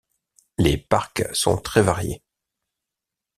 Les parcs sont très variés.